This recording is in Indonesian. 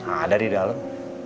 ada di dalam